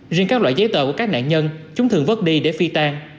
riêng các loại giấy tờ của các nạn nhân chúng thường vất đi để phi tan